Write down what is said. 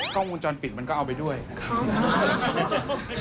กล้องวงจรปิดมันก็เอาไปด้วยนะครับ